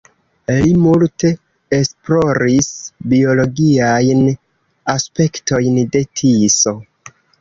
Li multe esploris biologiajn aspektojn de Tiso.